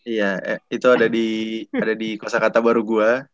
iya itu ada di kosa kata baru gue